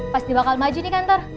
pasti bakal maju nih kantor